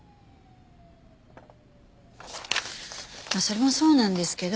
まあそれもそうなんですけど。